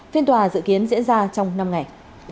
phiên tòa dự kiến diễn ra trong năm ngày